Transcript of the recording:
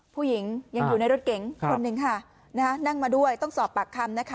ผู้หญิงยังอยู่ในรถเก๋งคนหนึ่งค่ะนะฮะนั่งมาด้วยต้องสอบปากคำนะคะ